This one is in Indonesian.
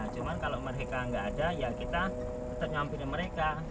cuma kalau mereka nggak ada ya kita tetap nyampirin mereka